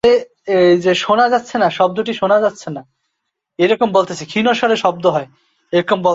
এতে প্রধান অতিথি ছিলেন ফেনীর অতিরিক্ত পুলিশ সুপার মুহাম্মদ শামসুল আলম সরকার।